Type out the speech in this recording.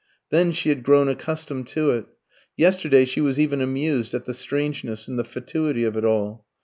Then she had grown accustomed to it. Yesterday she was even amused at the strangeness and the fatuity of it all.